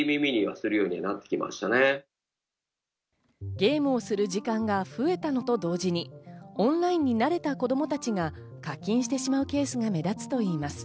ゲームをする時間が増えたのと同時に、オンラインに慣れた子供たちが課金してしまうケースが目立つといいます。